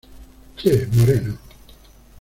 ¡ che, moreno!...